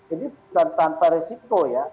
ini tanpa resiko ya